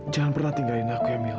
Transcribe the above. jangan pernah tinggalin aku ya mila